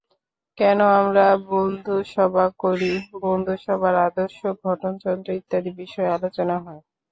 কেন আমরা বন্ধুসভা করি, বন্ধুসভার আদর্শ, গঠনতন্ত্র ইত্যাদি বিষয়ে আলোচনা হয়।